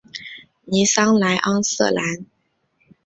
尼桑莱昂瑟兰。